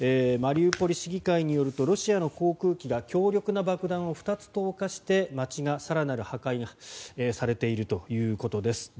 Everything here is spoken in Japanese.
マリウポリ市議会によるとロシアの航空機が強力な爆弾を２つ投下して街が更なる破壊をされているということです。